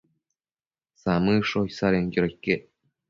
Samëdsho isadenquioda iquec